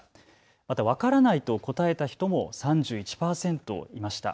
またわからないと答えた人も３１％いました。